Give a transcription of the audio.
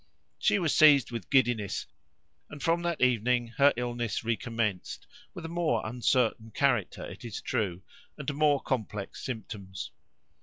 She was seized with giddiness, and from that evening her illness recommenced, with a more uncertain character, it is true, and more complex symptoms.